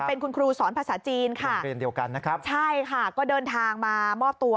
เป็นคุณครูสอนภาษาจีนค่ะใช่ค่ะก็เดินทางมามอบตัว